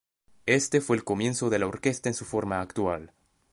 Este fue el comienzo de la orquesta en su forma actual.